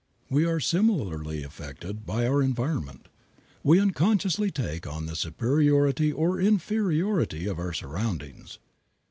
We are similarly affected by our environment. We unconsciously take on the superiority or inferiority of our surroundings.